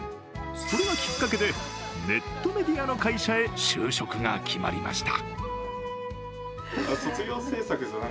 それがきっかけで、ネットメディアの会社へ就職が決まりました。